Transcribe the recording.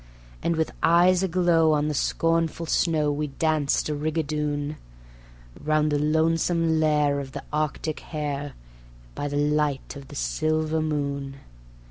And with eyes aglow on the scornful snow we danced a rigadoon, Round the lonesome lair of the Arctic hare, by the light of the silver moon.